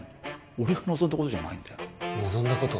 俺が望んだことじゃない望んだこと？